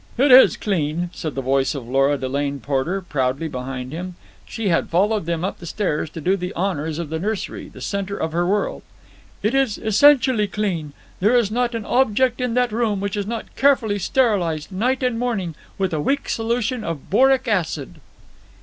"It is clean," said the voice of Lora Delane Porter proudly behind him. She had followed them up the stairs to do the honours of the nursery, the centre of her world. "It is essentially clean. There is not an object in that room which is not carefully sterilized night and morning with a weak solution of boric acid!"